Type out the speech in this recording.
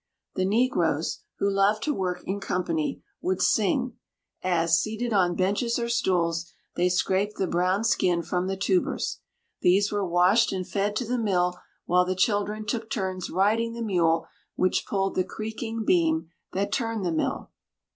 The negroes, who love to work in company, would sing, as, seated on benches or stools, they scraped the brown skin from the tubers. These were washed and fed to the mill, while the children took turns riding the mule which pulled the creaking beam that turned the mill.